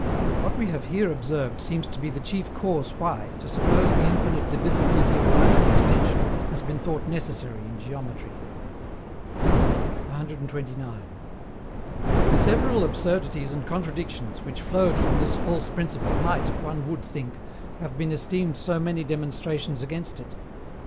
What we have here observed seems to be the chief cause why, to suppose the infinite divisibility of finite extension has been thought necessary in geometry. 129. The several absurdities and contradictions which flowed from this false principle might, one would think, have been esteemed so many demonstrations against it.